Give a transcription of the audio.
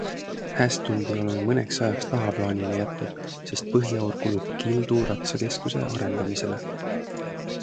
Hästundi oleme mõneks ajaks tahaplaanile jätnud, sest põhiaur kulub Kildu ratsakeskuse arendamisele.